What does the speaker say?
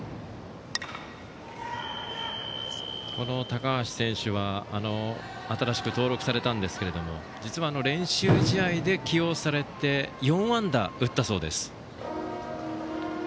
高橋選手は新しく登録されたんですけども実は練習試合で起用されて４安打を打ったそうです。